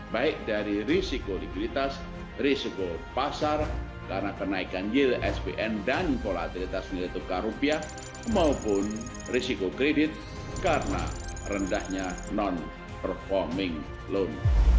baik dari risiko likuiditas risiko pasar karena kenaikan yield spn dan volatilitas nilai tukar rupiah maupun risiko kredit karena rendahnya non performing loan